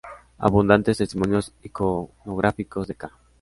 Abundantes testimonios iconográficos de ca.